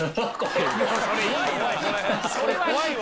これ怖いわ。